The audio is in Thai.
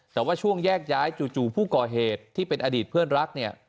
แต่ว่าช่วงแยกย้ายจู่ผู้ก่อเหตุที่เป็นอดีตเพื่อนรักเนี่ย